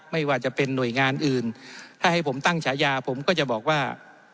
ไม่ว่าจะเป็นหน่วยงานอื่นถ้าให้ผมตั้งฉายาผมก็จะบอกว่า